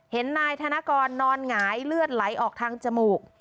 เห็นนายธนกรนอนหงายเลือดไหลออกทางจมูก